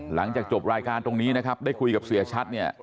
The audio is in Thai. หลังจากจบรายการตรงนี้นะครับได้คุยกับเสียชัดเนี่ย